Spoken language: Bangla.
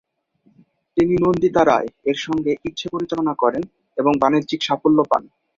তিনি নন্দিতা রায়-এর সঙ্গে ইচ্ছে পরিচালনা করেন এবং বাণিজ্যিক সাফল্য পান।